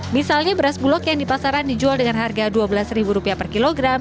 misalnya beras bulog yang di pasaran dijual dengan harga rp dua belas per kilogram